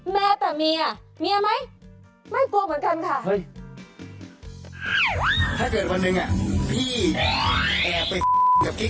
แม้แต่เมียเมียไหมไม่กลัวเหมือนกันค่ะ